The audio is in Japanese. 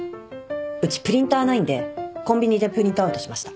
うちプリンターないんでコンビニでプリントアウトしました。